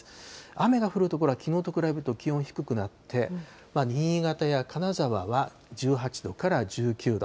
雨が降る所は、きのうと比べると気温低くなって、新潟や金沢は１８度から１９度。